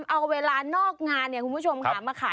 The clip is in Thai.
เอาเวลานอกงานเนี่ยคุณผู้ชมค่ะมาขาย